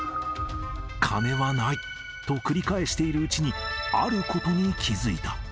金はないと繰り返しているうちに、あることに気付いた。